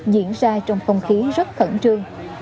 diễn ra trong không khí rất khẩn trương